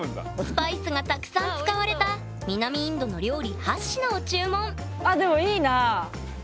スパイスがたくさん使われた南インドの料理８品を注文あっでもいいなあ。